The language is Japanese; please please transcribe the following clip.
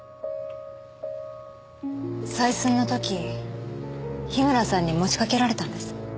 採寸の時樋村さんに持ちかけられたんです。